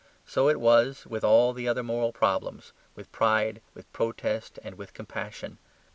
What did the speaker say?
So it was with all the other moral problems, with pride, with protest, and with compassion.